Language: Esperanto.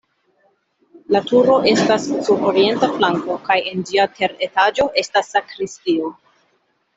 La turo estas sur orienta flanko kaj en ĝia teretaĝo estas sakristio.